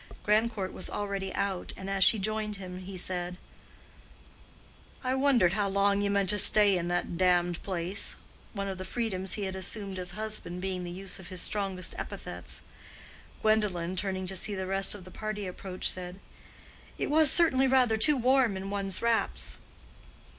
Grandcourt was already out, and as she joined him, he said, "I wondered how long you meant to stay in that damned place"—one of the freedoms he had assumed as a husband being the use of his strongest epithets. Gwendolen, turning to see the rest of the party approach, said, "It was certainly rather too warm in one's wraps."